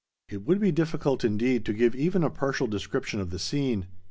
It would be difficult indeed to give even a partial description of the scene.